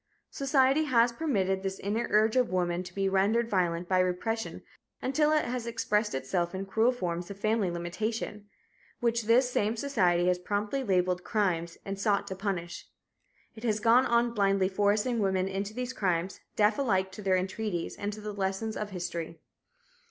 Society has permitted this inner urge of woman to be rendered violent by repression until it has expressed itself in cruel forms of family limitation, which this same society has promptly labeled "crimes" and sought to punish. It has gone on blindly forcing women into these "crimes," deaf alike to their entreaties and to the lessons of history.